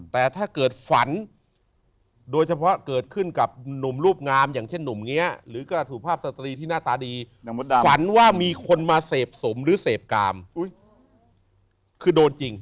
แต่ถ้าเกิดฝันโดยเฉพาะเกิดขึ้นกับหนุ่มรูปงามอย่างเช่นหนุ่มอย่างนี้หรือกระสุภาพสตรีที่หน้าตาดีฝันว่ามีคนมาเสพสมหรือเสพกามคือโดนจริง